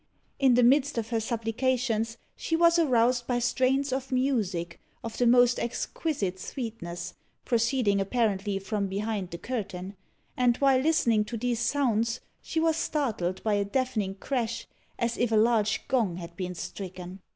In the midst of her supplications she was aroused by strains of music of the most exquisite sweetness, proceeding apparently from behind the curtain, and while listening to these sounds she was startled by a deafening crash as if a large gong had been stricken.